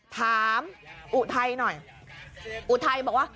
ถามอุทัยหน่อยอุทัยบอกว่า